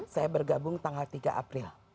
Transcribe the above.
saya bergabung tanggal tiga april